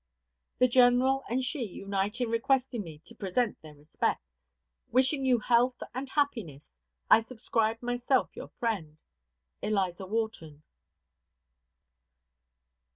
The general and she unite in requesting me to present their respects. Wishing you health and happiness, I subscribe myself your friend, ELIZA WHARTON.